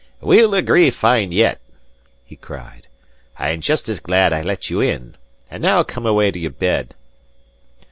"We'll agree fine yet!" he cried. "I'm just as glad I let you in. And now come awa' to your bed."